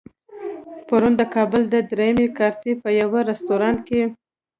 پرون د کابل د درېیمې کارتې په يوه رستورانت کې.